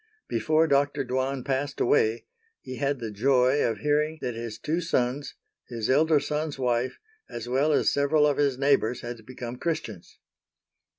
Before Dr. Dwan passed away, he had the joy of hearing that his two sons, his elder son's wife, as well as several of his neighbors had become Christians.